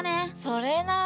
それな。